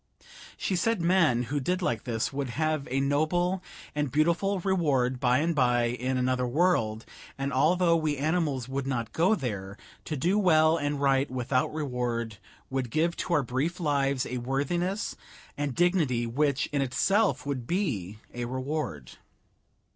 She said men who did like this would have a noble and beautiful reward by and by in another world, and although we animals would not go there, to do well and right without reward would give to our brief lives a worthiness and dignity which in itself would be a reward.